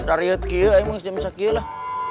setelah riat kia ayo kita bisa kia lah